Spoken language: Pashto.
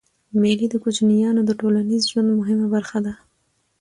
مېلې د کوچنيانو د ټولنیز ژوند مهمه برخه ده.